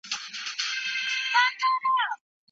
تخنیکي وسایل باید په سمه توګه وساتل سي.